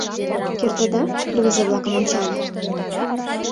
— Кертыда? — рвезе-влакым ончале.